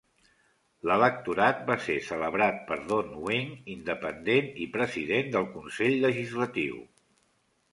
L'electorat va ser celebrat per Don Wing, independent i president del consell legislatiu.